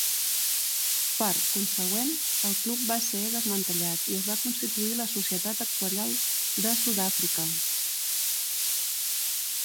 Per consegüent, el Club va ser desmantellat i es va constituir la Societat Actuarial de Sudàfrica.